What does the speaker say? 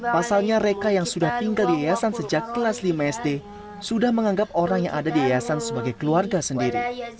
pasalnya reka yang sudah tinggal di yayasan sejak kelas lima sd sudah menganggap orang yang ada di yayasan sebagai keluarga sendiri